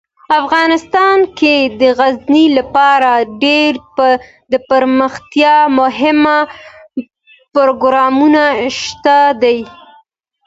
افغانستان کې د غزني لپاره ډیر دپرمختیا مهم پروګرامونه شته دي.